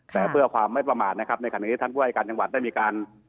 แต่เพื่อความไม่ประมาทนะครับในขณะนี้ท่านผู้ราชการจังหวัดได้มีการ